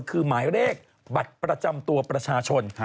คือหมายเลขบัตรประจำตัวประชาชน